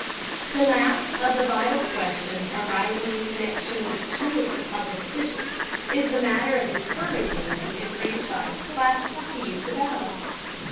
The last of the vital questions arising in connection with the choice of public officials is the matter of encouraging the enfranchised classes to use the ballot.